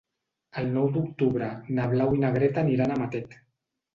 El nou d'octubre na Blau i na Greta aniran a Matet.